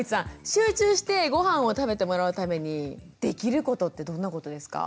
集中してごはんを食べてもらうためにできることってどんなことですか？